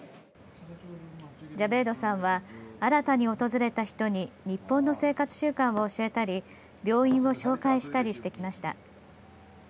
ジャベイドさんは新たに訪れた人に日本の生活習慣を教えたり病院を紹介したりしてきました。